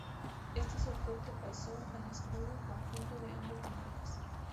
Este soporte pasó al escudo conjunto de ambos monarcas.